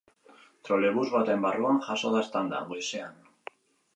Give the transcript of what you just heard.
Trolebus baten barruan jazo da eztanda, goizean.